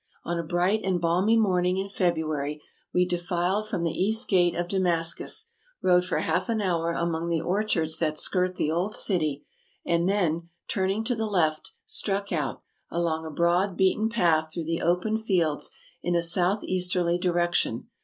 On a bright and balmy morning in February we defiled from the East Gate of Damascus, rode for half an hour among the orchards that skirt the old city, and then, turning to the left, struck out, along a broad beaten path through the open fields in a south easterly direction.